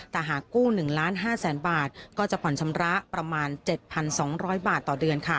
แต่หากกู้๑ล้าน๕แสนบาทก็จะผ่อนชำระประมาณ๗๒๐๐บาทต่อเดือน